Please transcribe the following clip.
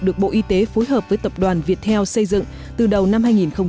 được bộ y tế phối hợp với tập đoàn viettel xây dựng từ đầu năm hai nghìn một mươi chín